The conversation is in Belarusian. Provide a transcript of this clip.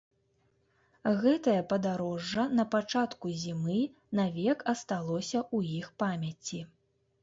Гэтае падарожжа на пачатку зімы навек асталося ў іх памяці.